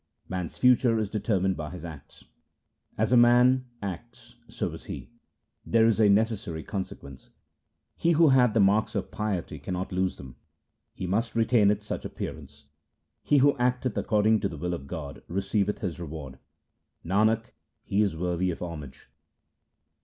Man's future is determined by his acts :— As a man's acts so is he : this is a necessary conse quence ; He who hath the marks of piety cannot lose them ; he must retain such appearance. He who acteth according to the will of God receiveth his reward ; Nanak, he is worthy of homage.